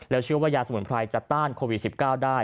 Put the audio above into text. เชื่อว่ายาสมุนไพรจะต้านโควิด๑๙ได้